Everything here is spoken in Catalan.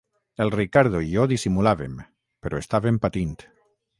El Riccardo i jo dissimulàvem, però estàvem patint.